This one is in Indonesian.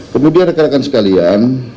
kemudian rekan rekan sekalian